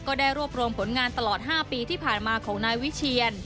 ได้รวบรวมผลงานตลอด๕ปีที่ผ่านมาของนายวิเชียน